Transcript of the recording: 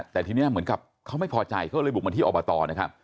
แต่ทีนี้เหมือนกับเขาไม่พอใจเขาเลยบุกมาที่อบตนะครับ